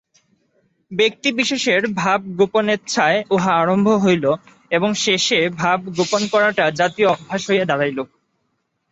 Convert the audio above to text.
ব্যক্তিবিশেষের ভাবগোপনেচ্ছায় উহা আরম্ভ হইল এবং শেষে ভাব গোপন করাটা জাতীয় অভ্যাস হইয়া দাঁড়াইল।